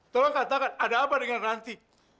tolong katakan ada apa dengan ranti